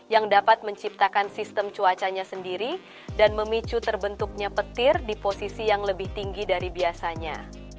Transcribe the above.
yang dapat menciptakan sistem cuacanya sendiri dan memicu terbentuknya petir di posisi yang lebih tinggi dari biasanya